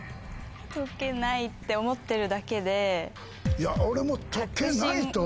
「とけない」って思ってるだけで。